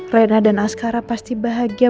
rena dan askara pasti bahagia